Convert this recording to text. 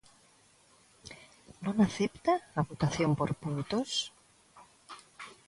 ¿Non acepta a votación por puntos?